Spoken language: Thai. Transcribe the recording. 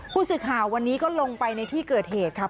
ผู้สื่อข่าววันนี้ก็ลงไปในที่เกิดเหตุครับ